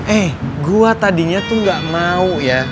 eh gua tadinya tuh ga mau ya